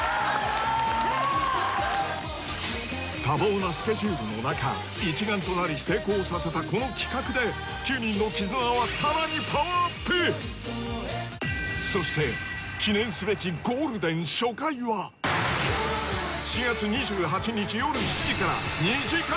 多忙なスケジュールの中一丸となり成功させたこの企画で９人の絆はさらにパワーアップそして記念すべき４月２８日よる７時から２時間